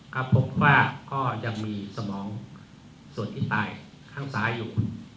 ก็พบว่ามีสมองส่วนตายทางซ้ายอยู่